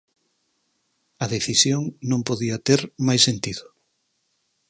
A decisión non podía ter máis sentido.